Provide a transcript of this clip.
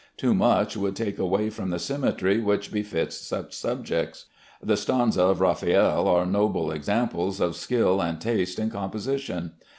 Too much would take away from the symmetry which befits such subjects. The Stanze of Raffaelle are noble examples of skill and taste in composition.